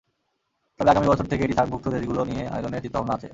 তবে আগামী বছর থেকে এটি সার্কভুক্ত দেশগুলো নিয়ে আয়োজনের চিন্তাভাবনা আছে।